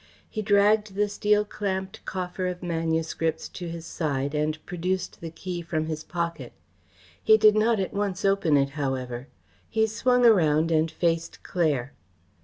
He dragged the steel clamped coffer of manuscripts to his side and produced the key from his pocket. He did not at once open it, however. He swung around and faced Claire.